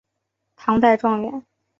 唐代状元。